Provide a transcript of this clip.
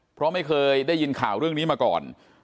เพราะไม่เคยได้ยินข่าวเรื่องนี้มาก่อน